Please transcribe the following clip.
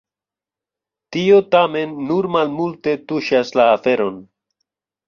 Tio tamen nur malmulte tuŝas la aferon.